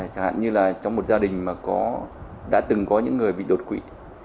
chẳng hạn như là trong một gia đình mà đã từng có những người bị đột quỵ